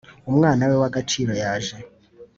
Umwana we w agaciro yaje